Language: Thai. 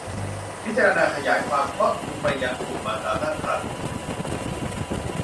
พิจารณาขยายความครอบคลุมไปยังกลุ่มมารดาตั้งครรภ์